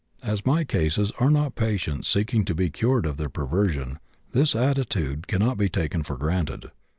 As my cases are not patients seeking to be cured of their perversion, this attitude cannot be taken for granted.